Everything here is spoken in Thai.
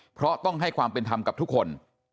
เพราะต้องให้ความเป็นธรรมกับทุกคน